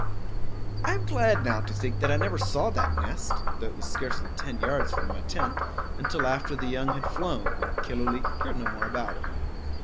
I am glad now to think that I never saw that nest, though it was scarcely ten yards from my tent, until after the young had flown, and Killooleet cared no more about it.